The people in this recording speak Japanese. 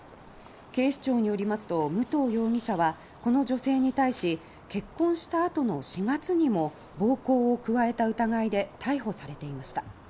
警視庁によりますと武藤容疑者はこの女性に対し結婚したあとの４月にも暴行を加えた疑いで逮捕されていました。